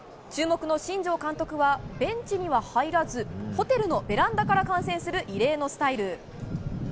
注目の新庄監督はベンチには入らずホテルのベランダから観戦する異例のスタイル。